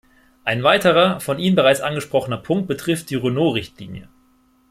Ein weiterer, von Ihnen bereits angesprochener Punkt betrifft die Renault-Richtlinie.